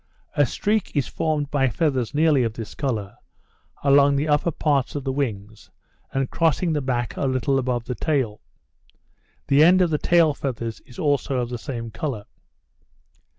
A streak is formed by feathers nearly of this colour, along the upper parts of the wings, and crossing the back a little above the tail. The end of the tail feathers is also of the same colour.